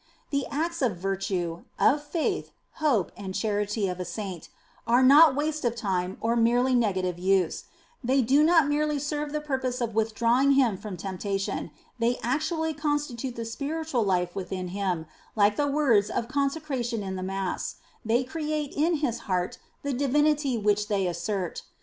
The acts of Virtue, of Faith, Hope, and Chanty of a Saint, are not waste of time or of merely negative use ; they do not merely serve the purpose of withdrawing him from temptation, they actually constitute the spiritual life within him, like the words of consecration in the Mass, they create in his heart the Divinity which they assert.